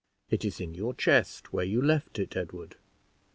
"It is in your chest, where you left it, Edward.